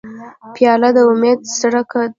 پیاله د امید څرک ده.